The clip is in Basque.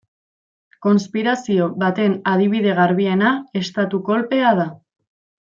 Konspirazio baten adibide garbiena estatu-kolpea da.